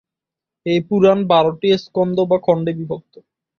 এই পুরাণ বারোটি স্কন্দ বা খণ্ডে বিভক্ত।